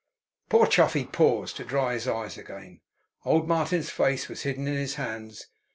Poor Chuffey paused to dry his eyes again. Old Martin's face was hidden in his hands.